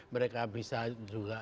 mereka bisa juga